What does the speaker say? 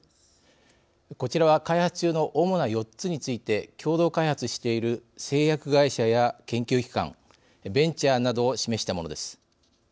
こちらは開発中の主な４つについて共同開発している製薬会社や研究機関ベンチャーなどを示したものです。